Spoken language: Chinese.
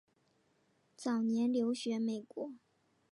早年留学美国。